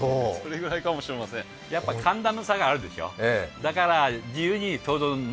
寒暖の差があるでしょ。